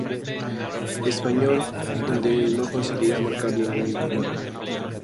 Espanyol donde no conseguiría marcar ningún gol.